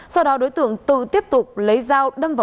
sau đó đối tượng tự tiếp tục lấy dao đâm vào